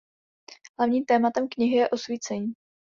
Hlavním tématem knihy je osvícení.